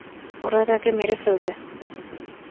ওরা তাকে মেরে ফেলবে।